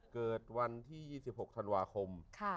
เกิดวันที่๒๖ธันวาคม